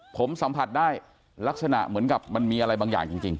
ผมสัมผัสได้ลักษณะเหมือนกับมันมีอะไรบางอย่างจริง